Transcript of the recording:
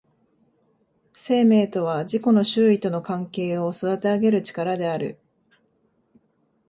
生命とは自己の周囲との関係を育てあげる力である。